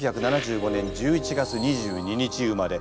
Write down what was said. １９７５年１１月２２日生まれ。